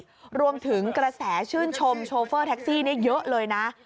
ที่ว่าถึงกระแสชื่นชมโชฟ้อแท็กซี่เยอะเลยนะ